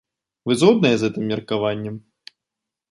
Вы згодныя з гэтым меркаваннем?